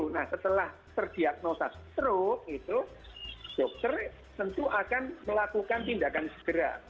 nah setelah terdiagnosa stroke itu dokter tentu akan melakukan tindakan segera